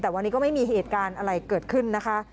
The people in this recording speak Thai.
แต่วันนี้ก็ไม่มีเหตุการณ์อะไรเกิดขึ้นนะคะ